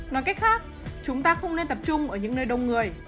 nói cách khác chúng ta không nên tập trung ở những nơi đông người